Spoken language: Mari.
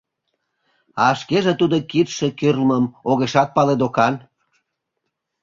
А шкеже тудо кидше кӱрлмым огешат пале, докан.